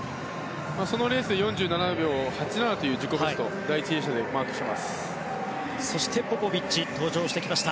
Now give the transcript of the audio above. そのレースで４７秒８７という自己ベストを第１泳者でマークしてます。